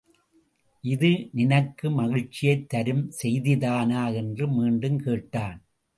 இது நினக்கு மகிழ்ச்சியைத் தரும் செய்திதானா? என்று மீண்டும் கேட்டான்.